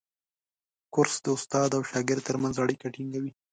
کورس د استاد او شاګرد ترمنځ اړیکه ټینګوي.